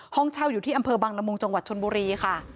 ห้องเช่าอยู่ที่อำเภอบังละมุงจังหวัดชนบุรีค่ะ